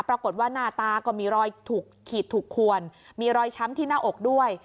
ปรากฏว่าหน้าตาก็มีรอยถูกขีดถูกควรมีรอยช้ำที่หน้าอกด้วย